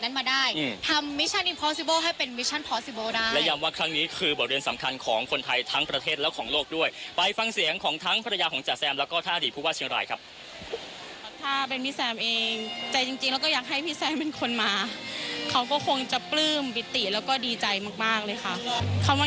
มาได้อืมบทเรียนสำคัญของคนไทยทั้งประเทศและของโลกด้วยไปฟังเสียงของทั้งภรรยาของจ๋าแซมแล้วก็ถ้าอดีตผู้ว่าเชียงรายครับถ้าเป็นพี่แซมเองใจจริงจริงแล้วก็อยากให้พี่แซมเป็นคนมาเขาก็คงจะปลื้มปิติแล้วก็ดีใจมากมากเลยค่ะคำว่า